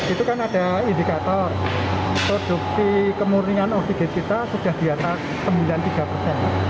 itu kan ada indikator produksi kemurningan oksigen kita sudah di atas sembilan puluh tiga persen